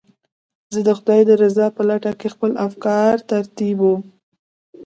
زه د خدای د رضا په لټه کې خپل افکار ترتیبوم.